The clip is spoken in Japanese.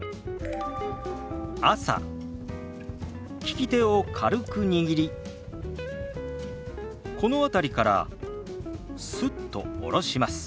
利き手を軽く握りこの辺りからスッと下ろします。